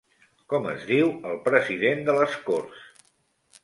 Com es diu el president de les corts?